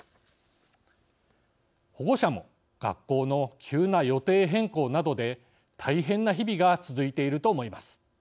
保護者も学校の急な予定変更などで大変な日々が続いていると思います。